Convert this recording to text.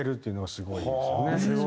すごいですね。